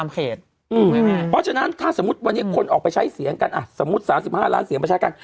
เพราะฉะนั้นถ้าสมมุติวันนี้คนออกไปใช้เสียงกันสมมุติ๓๕ล้านเสียงมาใช้กัน